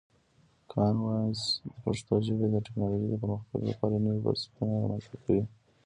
کامن وایس د پښتو ژبې د ټکنالوژۍ د پرمختګ لپاره نوی فرصتونه رامنځته کوي.